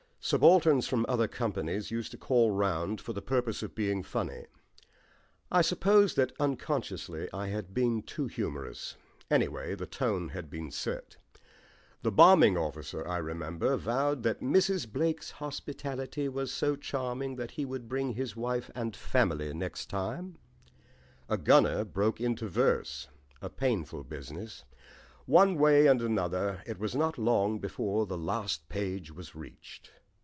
Subalterns from other companies used to call round for the purpose of being funny; I suppose that unconsciously I had been too humorous anyway, the tone had been set. The bombing officer, I remember, vowed that Mrs. Blake's hospitality was so charming that he would bring his wife and family next time. A gunner officer broke into verse a painful business. One way and another it was not long before the last page was reached.